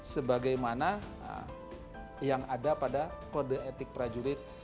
sebagaimana yang ada pada kode etik prajurit